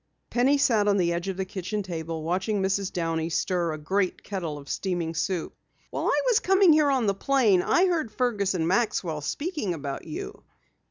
Penny sat on the edge of the kitchen table, watching Mrs. Downey stir a great kettle of steaming soup. "While I was coming here on the plane I heard Fergus and Maxwell speaking about you."